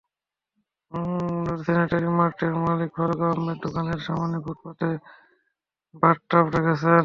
নূর sanitary মার্টের মালিক ফারুক আহমেদ দোকানের সামনের ফুটপাতে বাথটাব রেখেছেন।